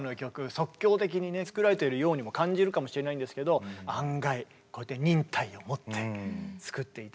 即興的にね作られているようにも感じるかもしれないんですけど案外忍耐をもって作っていた。